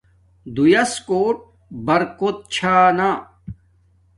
دݸئس کݸٹ بَرکݸت چھݳ نݳ.